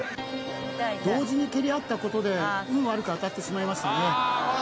同時に蹴りあったことで運悪く当たってしまいましたね